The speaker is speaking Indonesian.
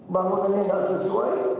bangunannya tidak sesuai